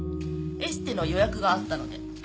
エステの予約があったので。